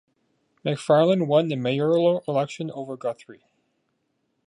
Macfarlane won the mayoral election over Guthrie.